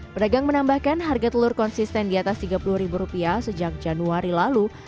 pedagang menambahkan harga telur konsisten di atas rp tiga puluh sejak januari lalu